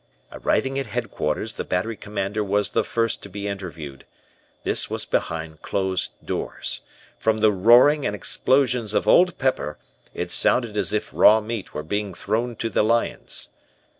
"Arriving at Headquarters the Battery Commander was the first to be interviewed. This was behind closed doors. From the roaring and explosions of Old Pepper it sounded as if raw meat was being thrown to the lions.